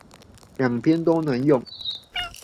兩邊都能用